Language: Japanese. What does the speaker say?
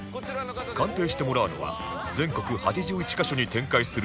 鑑定してもらうのは全国８１カ所に展開する買取